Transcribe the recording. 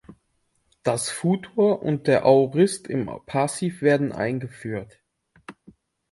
Das Futur und der Aorist im Passiv werden eingeführt.